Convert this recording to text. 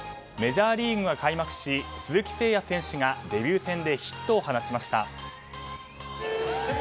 メジャーリーグが開幕し鈴木誠也選手がデビュー戦でヒットを放ちました。